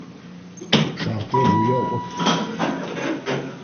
Шартлы буяу отт.